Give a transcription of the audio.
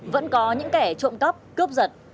vẫn có những kẻ trộm cắp cướp giật